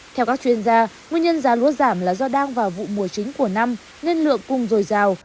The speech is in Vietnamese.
theo các chuyên gia nguyên nhân giá lúa giảm là do đang vào vụ mùa chính của năm nên lượng cung dồi dào